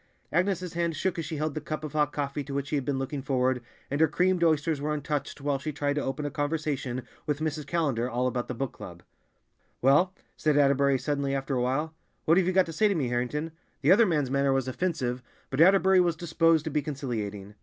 Agnes's hand shook as she held the cup of hot coffee to which she had been looking forward, and her creamed oysters were untouched while she tried to open a conversation with Mrs. Callender all about the Book Club. "Well," said Atterbury suddenly after a while, "what have you got to say to me, Harrington?" The other man's manner was offensive, but Atterbury was disposed to be conciliating.